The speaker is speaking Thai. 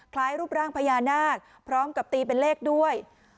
คล้ายรูปร่างพญานาคพร้อมกับตีเป็นเลขด้วย